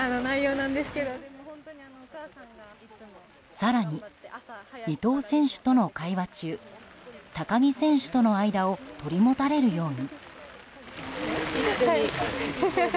更に伊藤選手との会話中高木選手との間を取り持たれるように。